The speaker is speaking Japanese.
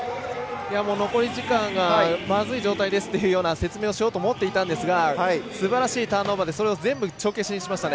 残り時間がまずい状態ですという説明をしようと思っていたんですがすばらしいターンオーバーでそれを全部帳消しにしました。